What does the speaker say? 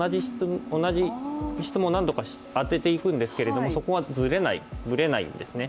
同じ質問を何度か当てていくんですけどそこはずれない、ぶれないんですね。